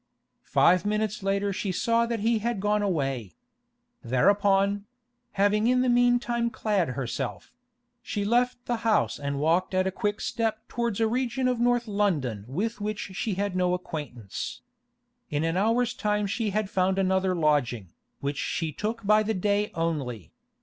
Five minutes later she saw that he had gone away. Thereupon—having in the meantime clad herself—she left the house and walked at a quick step towards a region of North London with which she had no acquaintance. In an hour's time she had found another lodging, which she took by the day only.